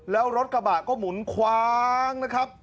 แล้วรถกระบะก็หมุนคว้างนะครับ